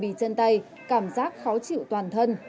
bị chân tay cảm giác khó chịu toàn thân